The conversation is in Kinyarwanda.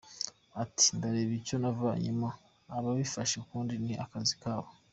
Ati “Ndareba icyo navanyemo, ababifashe ukundi ni akazi kabo.